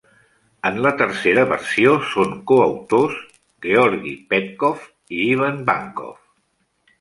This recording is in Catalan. En la tercera versió són coautors Georgi Petkov i Ivan Vankov.